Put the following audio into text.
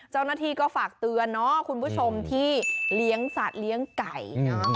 เจ้าหน้าที่ก็ฝากเตือนเนาะคุณผู้ชมที่เลี้ยงสัตว์เลี้ยงไก่เนอะ